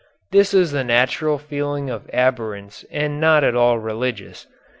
This is the natural feeling of abhorrence and not at all religious.